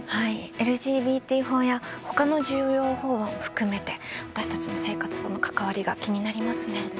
ＬＧＢＴ法や他の重要法案を含めて私たちの生活への関わりが気になりますね。